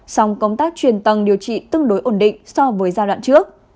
song công tác truyền tăng điều trị tương đối ổn định so với giai đoạn trước